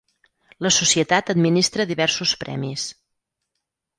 La societat administra diversos premis.